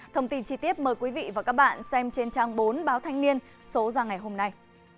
thông tin chi tiết mời quý vị và các bạn xem trên trang bốn báo thanh niên số ra ngày hôm nay